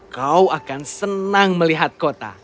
kau akan senang melihat kota